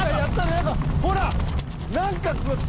ほら。何か。